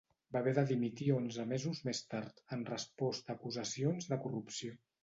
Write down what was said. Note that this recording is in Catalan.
Va haver de dimitir onze mesos més tard, en resposta a acusacions de corrupció.